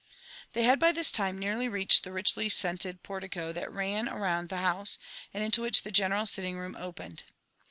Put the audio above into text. They had by this time nearly reached the richly soedled portico that ran round the house, and into which the general sitting room opened.